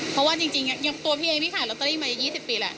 เพราะว่าจริงตัวพี่เองพี่ขายลอตเตอรี่มา๒๐ปีแล้ว